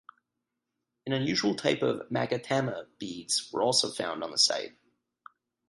An unusual type of "magatama" beads were also found on the site.